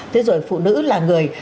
thế rồi phụ nữ là người